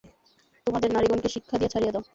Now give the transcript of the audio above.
তোমাদের নারীগণকে শিক্ষা দিয়া ছাড়িয়া দাও।